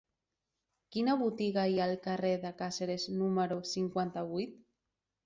Quina botiga hi ha al carrer de Càceres número cinquanta-vuit?